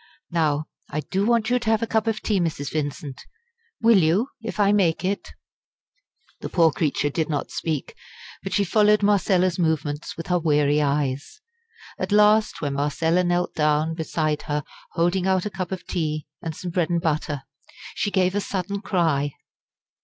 "Now I do want you to have a cup of tea, Mrs. Vincent. Will you, if I make it?" The poor creature did not speak, but she followed Marcella's movements with her weary eyes. At last when Marcella knelt down beside her holding out a cup of tea and some bread and butter, she gave a sudden cry.